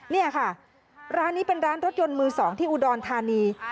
นี่ค่ะร้านนี้เป็นร้านรถยนต์มือ๒ที่อุดรธานี